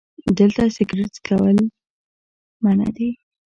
🚭 دلته سګرټ څکل منع دي